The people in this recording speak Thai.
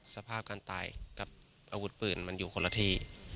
สภาพการตายกับอาวุธปืนมันอยู่คนละที่